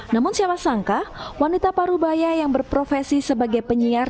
namun siapa sangka wanita parubaya yang berprofesi sebagai penyiar